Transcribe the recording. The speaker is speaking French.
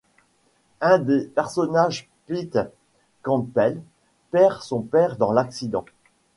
Un des personnages Pete Campbell perd son père dans l'accident.